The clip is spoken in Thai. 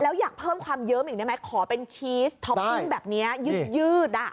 แล้วอยากเพิ่มความเยิ้มอีกได้ไหมขอเป็นชีสท็อปปิ้งแบบนี้ยืดอ่ะ